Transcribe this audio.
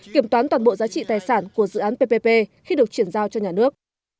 kiểm toán toàn bộ giá trị tài sản của dự án ppp khi được chuyển giao cho nhà nước